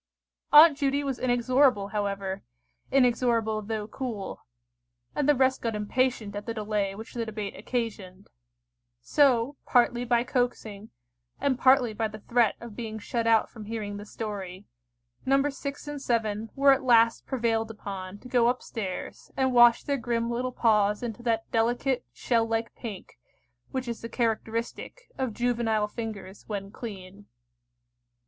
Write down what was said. Aunt Judy was inexorable however—inexorable though cool; and the rest got impatient at the delay which the debate occasioned: so, partly by coaxing, and partly by the threat of being shut out from hearing the story, Nos. 6 and 7 were at last prevailed upon to go up stairs and wash their grim little paws into that delicate shell like pink, which is the characteristic of juvenile fingers when clean.